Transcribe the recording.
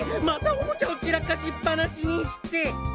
またおもちゃを散らかしっぱなしにして！